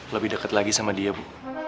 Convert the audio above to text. lebih dekat lagi sama dia bu